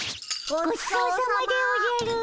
ごちそうさまでおじゃる。